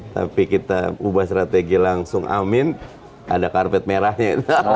tapi kita ubah strategi langsung amin ada karpet merahnya